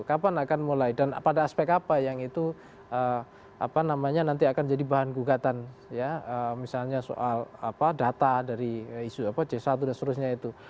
kapan akan mulai dan pada aspek apa yang itu apa namanya nanti akan jadi bahan gugatan ya misalnya soal data dari isu c satu dan seterusnya itu